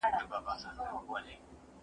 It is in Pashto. عضلې په ساړه هوا کې ورو کار کوي.